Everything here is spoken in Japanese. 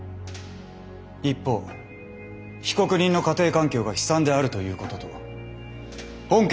一方被告人の家庭環境が悲惨であるということと本件